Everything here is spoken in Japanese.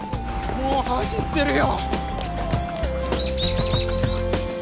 もう走ってるよ。